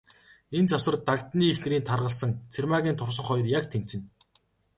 Энэ завсар, Дагданы эхнэрийн таргалсан, Цэрмаагийн турсан хоёр яг тэнцэнэ.